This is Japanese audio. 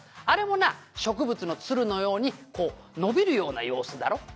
「あれもな植物の蔓のようにこうのびるような様子だろ」